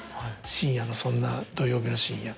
深夜のそんな土曜日の深夜。